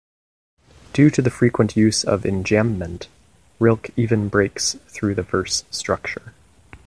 Due to the frequent use of enjambment Rilke even breaks through the verse structure.